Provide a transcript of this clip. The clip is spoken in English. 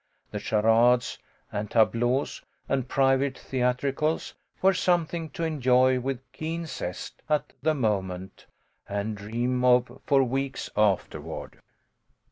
The charades and tableaux and private theatricals were something to enjoy with keen zest at the moment, and dream of for weeks afterward.